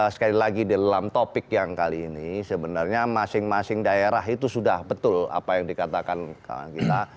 sekali lagi dalam topik yang kali ini sebenarnya masing masing daerah itu sudah betul apa yang dikatakan kita